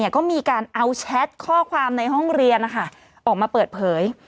ก็มีการเอาแชทข้อความในห้องเรียนออกมาเปิดเผย